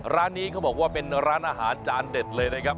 ร้านนี้เขาบอกว่าเป็นร้านอาหารจานเด็ดเลยนะครับ